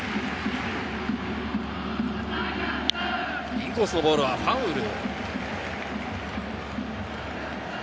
インコースのボールはファウル。